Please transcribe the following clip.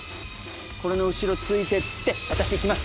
これの後ろついてって私いきます